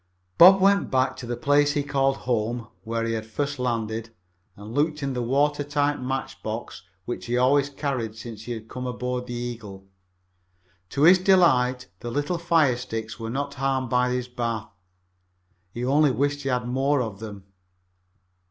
Bob went back to the place he called "home" where he had first landed and looked in the water tight match box which he always had carried since he had come aboard the Eagle. To his delight the little fire sticks were not harmed by his bath. He only wished he had more of them.